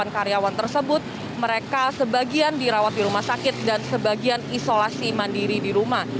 dua ratus tiga puluh delapan karyawan tersebut mereka sebagian dirawat di rumah sakit dan sebagian isolasi mandiri di rumah